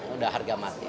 udah harga mati